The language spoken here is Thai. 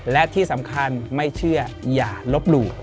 และที่สำคัญไม่เชื่ออย่าลบหลู่